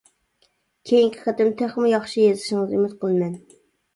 كېيىنكى قېتىم تېخىمۇ ياخشى يېزىشىڭىزنى ئۈمىد قىلىمەن.